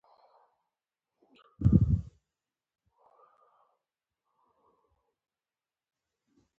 بدرنګه اندېښنې زړه ځوروي